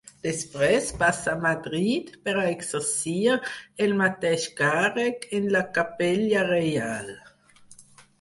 Després passà a Madrid per a exercir el mateix càrrec en la Capella Reial.